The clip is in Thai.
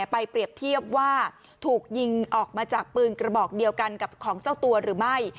เปรียบเทียบว่าถูกยิงออกมาจากปืนกระบอกเดียวกันกับของเจ้าตัวหรือไม่